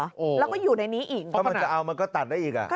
แล้วก็อยู่ในนี้อีกถ้ามันจะเอามันก็ตัดได้อีกอ่ะ